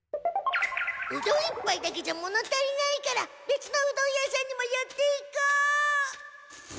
うどん１ぱいだけじゃもの足りないから別のうどん屋さんにも寄っていこう。